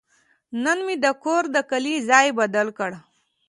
نن مې د کور د کالي ځای بدل کړ.